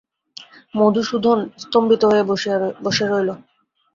মধুসূদন স্তম্ভিত হয়ে বসে রইল।